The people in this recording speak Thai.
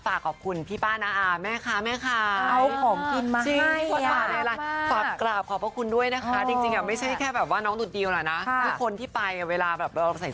ฝากขอบคุณพี่ป้านาอาแม่ค้าแม่ค้า